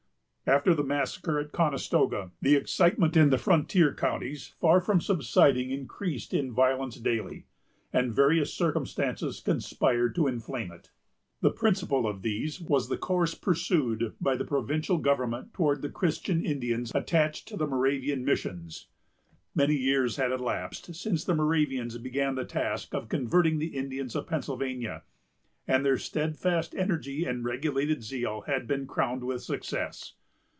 After the massacre at Conestoga, the excitement in the frontier counties, far from subsiding, increased in violence daily; and various circumstances conspired to inflame it. The principal of these was the course pursued by the provincial government towards the Christian Indians attached to the Moravian missions. Many years had elapsed since the Moravians began the task of converting the Indians of Pennsylvania, and their steadfast energy and regulated zeal had been crowned with success.